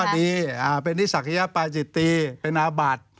ก็ดีอ่าเป็นนิสัขยะปาจิตีเป็นนาบาท